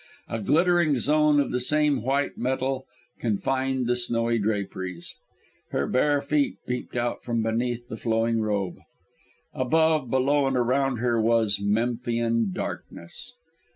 A glittering zone of the same white metal confined the snowy draperies. Her bare feet peeped out from beneath the flowing robe. Above, below, and around her was Memphian darkness!